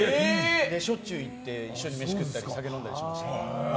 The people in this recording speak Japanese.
しょっちゅう行って一緒に飯食ったり酒飲んだりしました。